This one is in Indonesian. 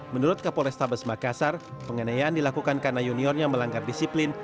menurut kapolres tabes makassar penganayaan dilakukan karena juniornya melanggar disiplin